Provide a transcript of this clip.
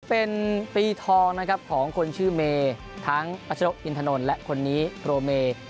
เป็นปีทองของคนชื่อเมย์ทั้งประชโนกอินทนลและคนนี้ตรวเมย์